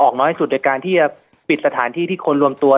น้อยสุดในการที่จะปิดสถานที่ที่คนรวมตัว